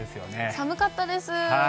寒かったです。